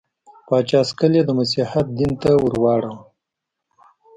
پاچا سکل یې د مسیحیت دین ته واړاوه.